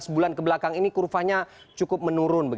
sebelas bulan kebelakang ini kurvanya cukup menurun